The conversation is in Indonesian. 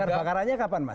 bakar bakarannya kapan mas